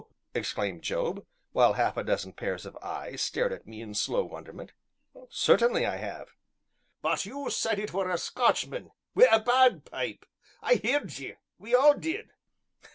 exclaimed Job, while half a dozen pairs of eyes stared at me in slow wonderment. "Certainly I have." "But you said as it were a Scotchman, wi' a bagpipe, I heerd ye we all did."